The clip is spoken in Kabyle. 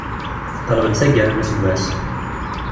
Teqreb-d taggara n useggas.